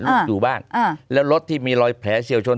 ลูกอยู่บ้านอ่าแล้วรถที่มีรอยแผลเฉียวชน